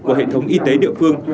của hệ thống y tế địa phương